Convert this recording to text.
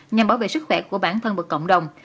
nhằm bảo vệ sức khỏe của bản thân và cộng đồng